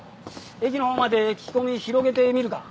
駅のほうまで聞き込み広げてみるか。